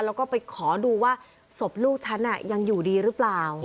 แล้วก็ไปขอดูว่าศพลูกฉันยังอยู่ดีหรือเปล่า